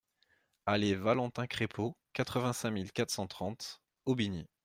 Allée Valentin Craipeau, quatre-vingt-cinq mille quatre cent trente Aubigny